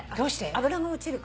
油が落ちるから？